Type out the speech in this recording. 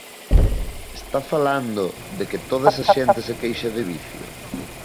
¿Está falando de que toda esa xente se queixa de vicio?